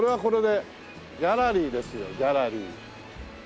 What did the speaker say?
ギャラリーですよギャラリー。